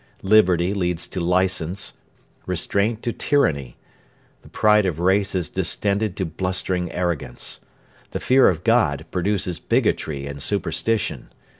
Liberty leads to licence, restraint to tyranny. The pride of race is distended to blustering arrogance. The fear of God produces bigotry and superstition.